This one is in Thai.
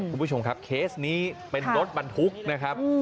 คุณผู้ชมครับเคสนี้เป็นรถบรรทุกนะครับ